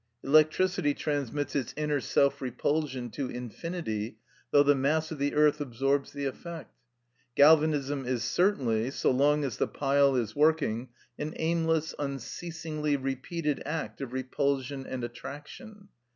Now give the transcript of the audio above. Electricity transmits its inner self repulsion to infinity, though the mass of the earth absorbs the effect. Galvanism is certainly, so long as the pile is working, an aimless, unceasingly repeated act of repulsion and attraction.